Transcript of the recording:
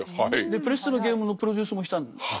でプレステのゲームのプロデュースもしたんです。